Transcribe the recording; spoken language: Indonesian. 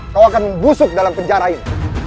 kau akan membusuk dalam penjarain